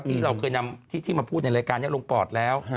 ที่เราเคยนำที่มาพูดในรายการนี้ลงปอดแล้ว